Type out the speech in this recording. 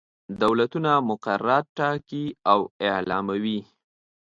دولتونه مقررات ټاکي او اعلاموي.